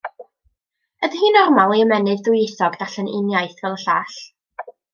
Ydy hi'n normal i ymennydd dwyieithog darllen un iaith fel y llall?